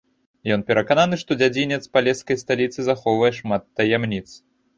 Ён перакананы, што дзядзінец палескай сталіцы захоўвае шмат таямніц.